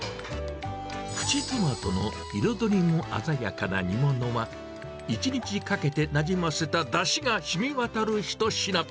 プチトマトの彩りも鮮やかな煮物は、１日かけてなじませただしがしみわたる一品。